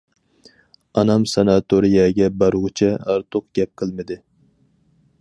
ئانام ساناتورىيەگە بارغۇچە ئارتۇق گەپ قىلمىدى.